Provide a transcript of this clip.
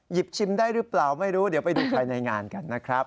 ชิมได้หรือเปล่าไม่รู้เดี๋ยวไปดูภายในงานกันนะครับ